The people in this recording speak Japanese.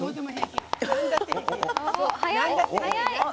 早い！